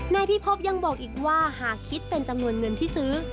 นายพิพบยังบอกอีกว่าหากคิดเป็นจำนวนเงินที่ซื้อ